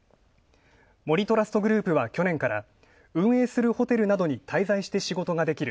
森トラストグループは去年から運営するホテルなどに滞在して仕事ができる